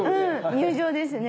入場ですね。